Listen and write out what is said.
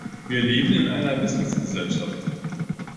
Wir leben in einer Wissensgesellschaft.